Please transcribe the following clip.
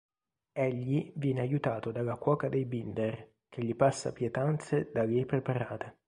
Egli viene aiutato dalla cuoca dei Binder, che gli passa pietanze da lei preparate.